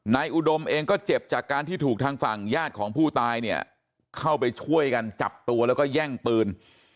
อุดมเองก็เจ็บจากการที่ถูกทางฝั่งญาติของผู้ตายเนี่ยเข้าไปช่วยกันจับตัวแล้วก็แย่งปืน